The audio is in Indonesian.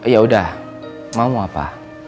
ya udah mau apa